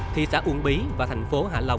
thị xã uông bí và thành phố hạ long